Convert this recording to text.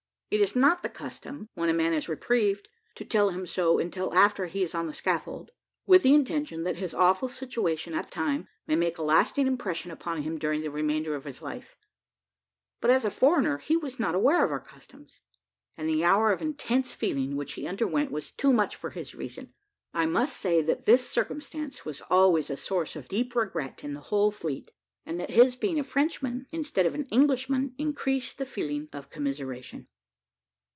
It is not the custom, when a man is reprieved, to tell him so, until after he is on the scaffold, with the intention that his awful situation at the time may make a lasting impression upon him during the remainder of his life; but, as a foreigner, he was not aware of our customs, and the hour of intense feeling which he underwent was too much for his reason. I must say, that this circumstance was always a source of deep regret in the whole fleet, and that his being a Frenchman, instead of an Englishman, increased the feeling of commiseration.